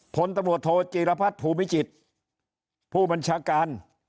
ผลตำรวจโทจีรพัฒน์ภูมิจิตรผู้บัญชาการ